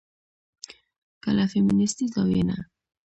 که له فيمنستي زاويې نه